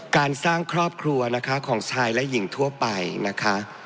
การสร้างครอบครัวนะคะของชายและหญิงทั่วไปนะคะ